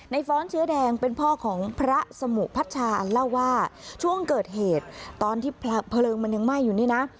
ฟ้อนเชื้อแดงเป็นพ่อของพระสมุพัชชาเล่าว่าช่วงเกิดเหตุตอนที่เพลิงมันยังไหม้อยู่นี่นะ